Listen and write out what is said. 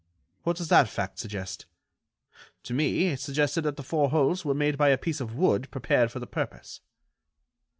What does that fact suggest? To me, it suggested that the four holes were made by a piece of wood prepared for the purpose."